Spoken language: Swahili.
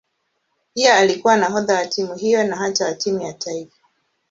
Pia alikuwa nahodha wa timu hiyo na hata wa timu ya taifa.